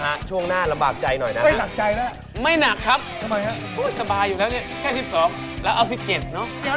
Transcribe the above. หัวเยอะนะฮะพี่ฮายแล้วก็เก่งด้วยไม่ตกน้ำ